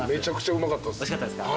おいしかったですか？